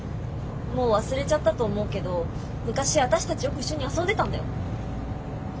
もう忘れちゃったと思うけど昔私たちよく一緒に遊んでたんだよ。